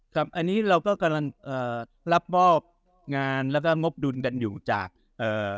ครับอันนี้เราก็กำลังเอ่อรับมอบงานแล้วก็งบดุลกันอยู่จากเอ่อ